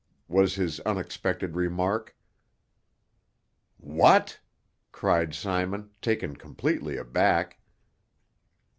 was his unexpected remark. "What?" cried Simon, taken completely aback.